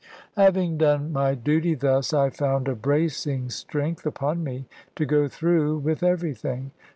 Having done my duty thus, I found a bracing strength upon me to go through with everything.